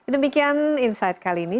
demikian insight kali ini